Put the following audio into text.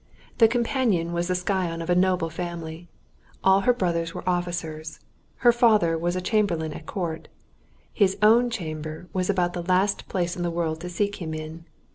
The companion was the scion of a noble family. All her brothers were officers. Her father was a Chamberlain at Court; his own chamber was about the last place in the world to seek him in.